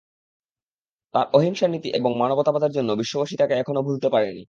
তঁার অহিংসা নীতি এবং মানবতাবাদের জন্য বিশ্ববাসী তঁাকে এখনো ভুলতে পারেনি।